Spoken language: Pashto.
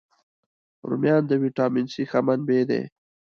رومیان د ویټامین C ښه منبع دي